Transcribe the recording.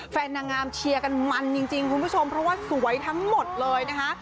นางงามเชียร์กันมันจริงคุณผู้ชมเพราะว่าสวยทั้งหมดเลยนะคะ